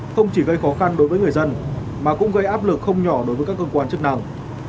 không chỉ gây khó khăn đối với người dân mà cũng gây áp lực không nhỏ đối với các cơ quan chức năng